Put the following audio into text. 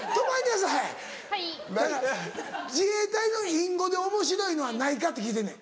だから自衛隊の隠語でおもしろいのはないかって聞いてんねん。